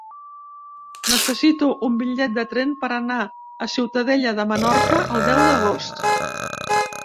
Necessito un bitllet de tren per anar a Ciutadella de Menorca el deu d'agost.